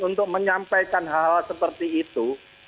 untuk menyampaikan hal hal seperti itu